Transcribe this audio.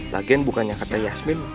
lagian bukannya kata yasmin